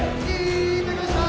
いただきました！